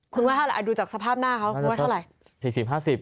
คุณว่าเท่าไหร่ดูจากสภาพหน้าเขาคุณว่าเท่าไหร่